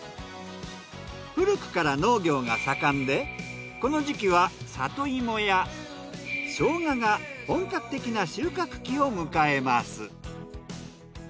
古くから農業が盛んでこの時期は里芋やショウガが本格的な収穫期を迎えます。